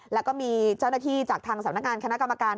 แล้วก็มีเจ้าหน้าที่จากทางสำนักงานคณะกรรมการ